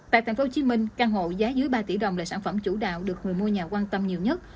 tại tp hcm căn hộ giá dưới ba tỷ đồng là sản phẩm chủ đạo được người mua nhà quan tâm nhiều nhất